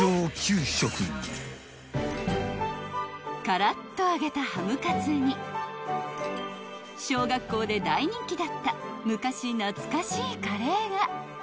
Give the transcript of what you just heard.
［カラッと揚げたハムカツに小学校で大人気だった昔懐かしいカレーが］